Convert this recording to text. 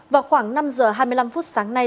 vào khoảng năm giờ hai mươi năm phút sáng nay